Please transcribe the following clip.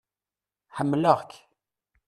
Ḥemmleɣ-k.